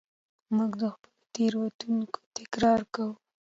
موږ د خپلو تېروتنو تکرار کوو.